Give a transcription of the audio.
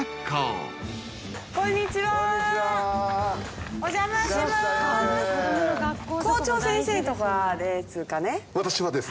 こんにちはお邪魔します。